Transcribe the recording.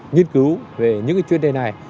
nghiên cứu về những chuyên đề này